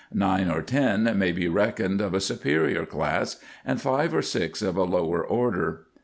Nine or ten may be reckoned of a superior class, and five or six of a lower order.